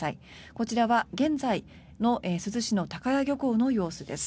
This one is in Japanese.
こちらは現在の珠洲市の高屋漁港の様子です。